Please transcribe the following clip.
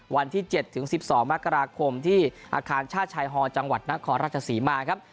วันที่๗๑๒มกราคมที่อาคารชาติชายฮอลจังหวัดนครราชศรีมาครับ